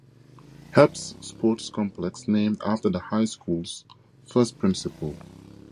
Epps Sports Complex, named after the high school's first principal.